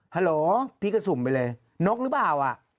ฮัลโหลพี่ก็สุ่มไปเลยนกหรือเปล่า